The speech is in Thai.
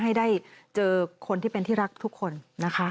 ให้ได้เจอคนที่เป็นที่รักทุกคนนะคะ